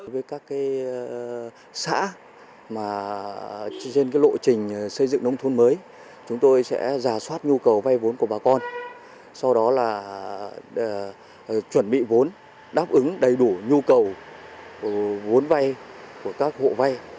với các xã trên lộ trình xây dựng nông thôn mới chúng tôi sẽ giả soát nhu cầu vay vốn của bà con sau đó là chuẩn bị vốn đáp ứng đầy đủ nhu cầu vốn vay của các hộ vay